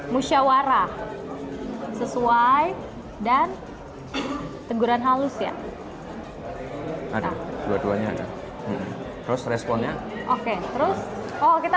musyawarah sesuai dan teguran halus ya ada dua duanya ada terus responnya oke terus oh kita